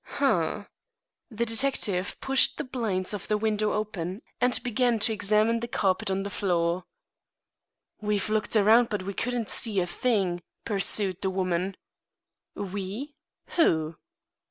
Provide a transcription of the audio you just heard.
"Humph!" The detective pushed the blinds of the window open and began to examine the carpet on the floor. "We've looked around, but we couldn't see a thing," pursued the woman. "We? Who?"